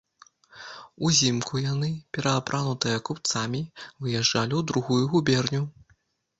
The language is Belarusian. Узімку яны, пераапранутыя купцамі, выязджалі ў другую губерню.